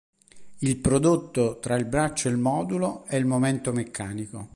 Il prodotto tra il braccio e il modulo è il momento meccanico.